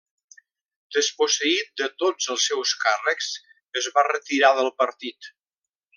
Desposseït de tots els seus càrrecs, es va retirar del partit.